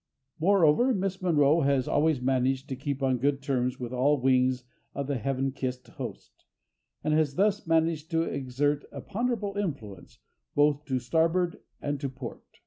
Moreover, Miss Monroe has always managed to keep on good terms with all wings of the heaven kissed host, and has thus managed to exert a ponderable influence both to starboard and to port.